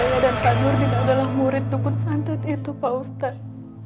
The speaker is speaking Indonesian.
ini saya dan pak nur tidak adalah murid tukun santet itu pak ustadz